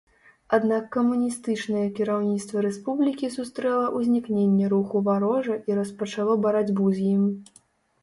Аднак камуністычнае кіраўніцтва рэспублікі сустрэла ўзнікненне руху варожа і распачало барацьбу з ім.